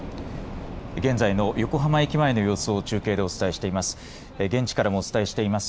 現在の横浜駅前の様子を中継でお伝えしています。